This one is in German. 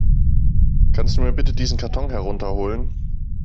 Kannst du mir bitte diesen Karton herunter holen?